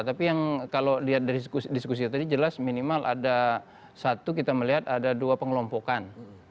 tapi yang kalau lihat dari diskusi tadi jelas minimal ada satu kita melihat ada dua pengelompokan